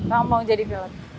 emang mau jadi pilot